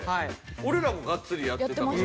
俺らもがっつりやってたから。